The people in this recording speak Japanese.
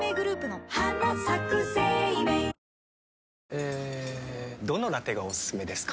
えどのラテがおすすめですか？